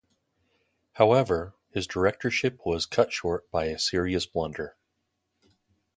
However, his directorship was cut short by a serious blunder.